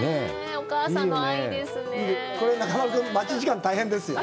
お母さんの愛ですね。